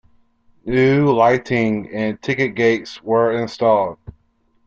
New lighting and ticket gates were installed.